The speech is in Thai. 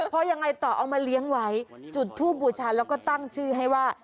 พอยังไงต่อเอามาเลี้ยงไว้จุดทูบบูชาแล้วก็ตั้งชื่อให้ว่า